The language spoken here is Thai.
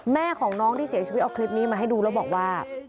แม่ของน้องที่เสียชีวิตเอาคลิปนี้มาให้ดูแล้วบอกว่า